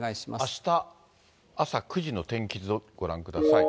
あした朝９時の天気図をご覧ください。